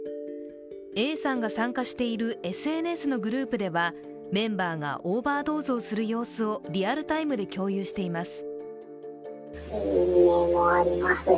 Ａさんが参加しているＳＮＳのグループではメンバーがオーバードーズをする様子をリアルタイムで共有しています。